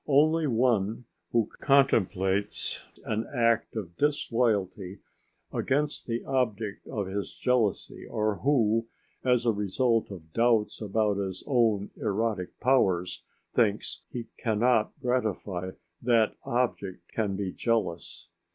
Only one who contemplates an act of disloyalty against the object of his jealousy, or who, as a result of doubts about his own erotic powers, thinks he cannot gratify that object can be jealous.